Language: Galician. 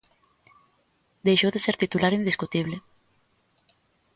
Deixou de ser titular indiscutible.